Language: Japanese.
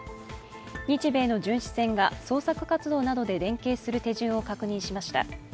日米の巡視船が捜索活動などで連携する手順を確認しました。